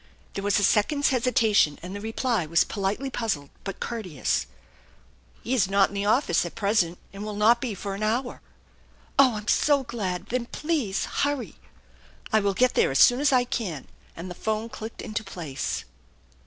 There was a second's hesitation, and the reply was politely puzzled but courteous: " He is not in the office at present and will not be for an hour." THE ENCHANTED BARN 185 " Oh, I'm so glad ! Then please hurry! "" I will get there as soon as I can," and the phone clicked into place.